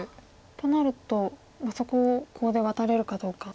となるとそこをコウでワタれるかどうか。